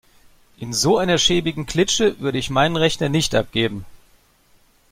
In so einer schäbigen Klitsche würde ich meinen Rechner nicht abgeben.